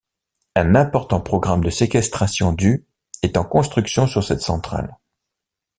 Un important programme de séquestration du est en construction sur cette centrale.